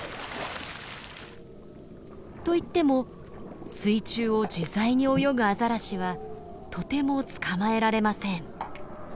といっても水中を自在に泳ぐアザラシはとても捕まえられません。